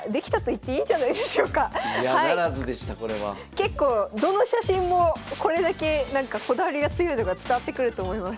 結構どの写真もこれだけなんかこだわりが強いのが伝わってくると思います。